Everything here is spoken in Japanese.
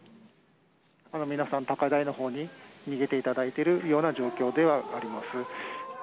皆さん、高台のほうに逃げていただいているような状況ではあります。